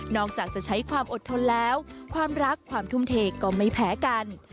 อกจากจะใช้ความอดทนแล้วความรักความทุ่มเทก็ไม่แพ้กัน